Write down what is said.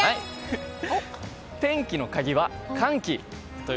天気のカギは寒気。